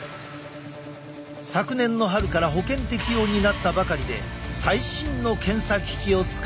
昨年の春から保険適用になったばかりで最新の検査機器を使う。